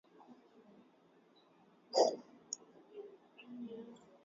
lakini pia katika mchezo mwingine timu ya